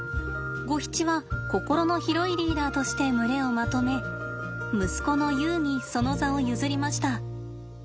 ゴヒチは心の広いリーダーとして群れをまとめ息子のユウにその座を譲りました。